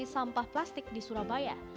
sampah plastik di surabaya